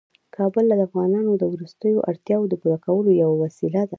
کابل د افغانانو د ورځنیو اړتیاوو د پوره کولو یوه وسیله ده.